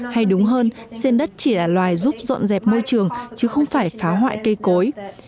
hay đúng hơn sen đất chỉ là loài giúp dọn dẹp môi trường chứ không phải phá hoại cây cối